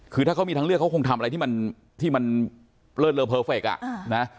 คือถ้าเขามีทางเลือกเขาคงทำอะไรที่มันที่มันเลิศเลอเพอร์เฟคอ่ะนะ